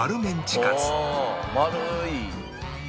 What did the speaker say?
丸い！